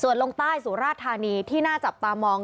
ส่วนลงใต้สุราธานีที่น่าจับตามอง